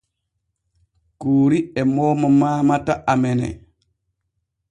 Kuuri e mooma mamata amene.